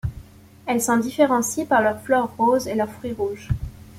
Elles s'en différencient par leurs fleurs roses et leurs fruits rouges.